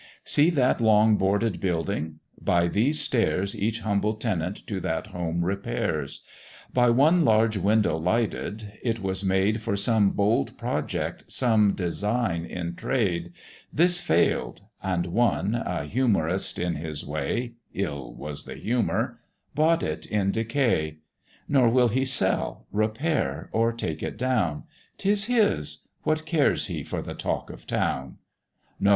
See that long boarded Building! By these stairs Each humble tenant to that home repairs By one large window lighted it was made For some bold project, some design in trade: This fail'd, and one, a humourist in his way, (Ill was the humour), bought it in decay; Nor will he sell, repair, or take it down; 'Tis his, what cares he for the talk of town? "No!